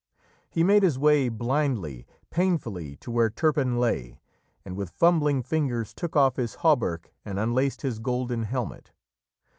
He made his way, blindly, painfully, to where Turpin lay, and with fumbling fingers took off his hauberk and unlaced his golden helmet.